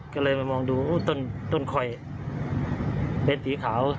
ก็เลยมามองดูต้นคอยเป็นสีขาว